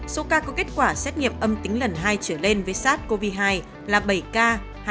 số ca có kết quả xét nghiệm âm tính lần hai trở lên với sars cov hai là bảy ca hai